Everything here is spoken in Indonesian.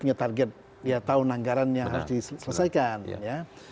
ya target tahun anggaran yang harus diselesaikan